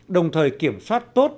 đồng thời kiểm soát tốt